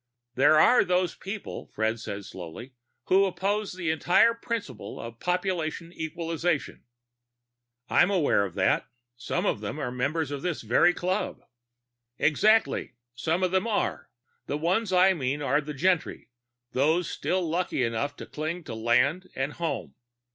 "There are those people," Fred said slowly, "who oppose the entire principle of population equalization." "I'm aware of that. Some of them are members of this very club." "Exactly. Some of them are. The ones I mean are the gentry, those still lucky enough to cling to land and home.